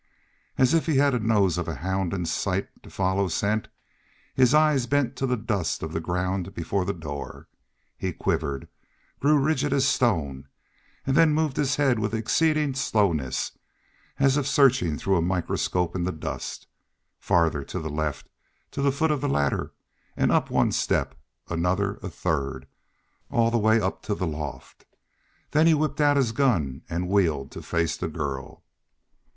As if he had the nose of a hound and sight to follow scent, his eyes bent to the dust of the ground before the door. He quivered, grew rigid as stone, and then moved his head with exceeding slowness as if searching through a microscope in the dust farther to the left to the foot of the ladder and up one step another a third all the way up to the loft. Then he whipped out his gun and wheeled to face the girl.